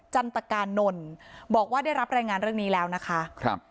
จรรยาการนครนบอกว่าได้รับแรงงานเรื่องนี้แล้วนะคะ